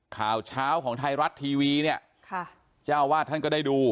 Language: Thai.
ข่าวเช้าของไทยรัฐทีวีเนี่ยค่ะเจ้าวาดท่านก็ได้ดู